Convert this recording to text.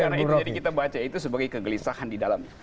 karena itu jadi kita baca itu sebagai kegelisahan di dalam